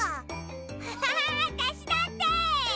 アハハわたしだって！